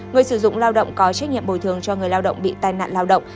người sử dụng lao động có trách nhiệm bồi thường cho người lao động bị tai nạn lao động